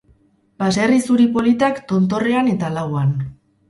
Baserri zuri politak tontorrean eta lauan.